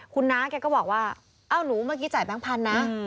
คุณน้าแกก็บอกว่าเอ้าหนูเมื่อกี้จ่ายแบงค์พันธุนะ